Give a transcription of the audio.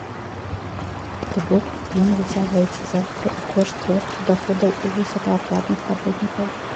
То бок ён выцягваецца за кошт росту даходаў у высокааплатных работнікаў.